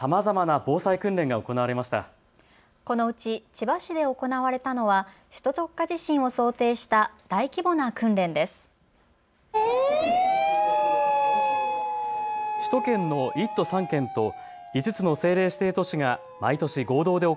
千葉市で行われたのは首都直下地震を想定した大規模な訓練です。